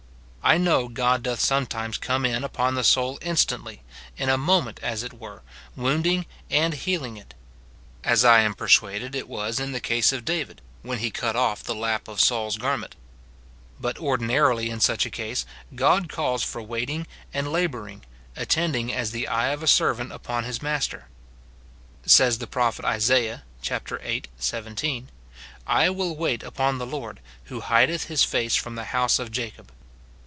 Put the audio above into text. I know God doth sometimes come in upon the soul in stantly, in a moment, as it were, wounding and healing it, — as I am persuaded it was in the case of David, when he cut ofi" the lap of Saul's garment ; but ordinarily, in such a case, God calls for* waiting and labouring, attend ing as the eye of a servant upon his master. Says the prophet Isaiah, chap. viii. 17, " I will wait upon the Lord, who hideth his face from the house of Jacob."